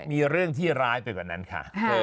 มีเรื่องที่ร้ายไปกว่านั้นค่ะ